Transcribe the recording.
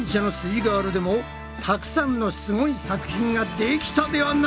イガールでもたくさんのすごい作品ができたではないか。